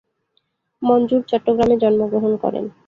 মনজুর চট্টগ্রামে জন্মগ্রহণ করেন।